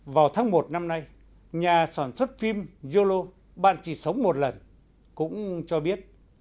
vào tháng một năm nay nhà sản xuất phim yolo bạn chỉ sống một lần cũng cho biết